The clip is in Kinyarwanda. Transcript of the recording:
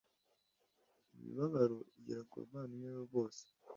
imibabaro igera ku bavandimwe be bose